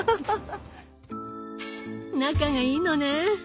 仲がいいのね。